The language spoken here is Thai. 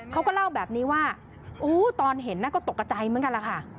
เขาก็เล่าแบบนี้ว่าอู๋ตอนเห็นนั้นก็ตกใจเหมือนกันค่ะ